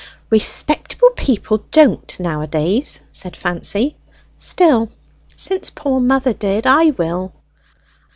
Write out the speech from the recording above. "Respectable people don't nowadays," said Fancy. "Still, since poor mother did, I will."